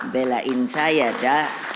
belain saya dah